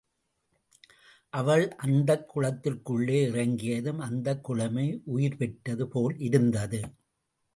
அவள் அந்தக் குளத்திற்குள்ளே இறங்கியதும் அந்தக் குளமே உயிர்பெற்றது போல் இருந்தது.